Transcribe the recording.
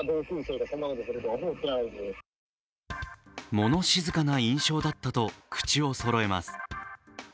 物静かな印象だったと口をそろえます。